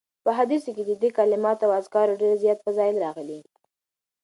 په احاديثو کي د دي کلماتو او اذکارو ډير زیات فضائل راغلي